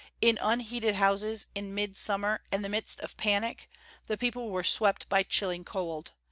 In unheated houses, in midsummer, in the midst of panic, the people were swept by chilling cold.